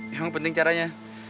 emang penting caranya